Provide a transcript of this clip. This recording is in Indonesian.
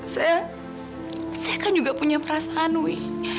saya saya kan juga punya perasaan wi